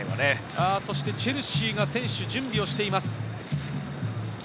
チェルシーが選手、準備をしています。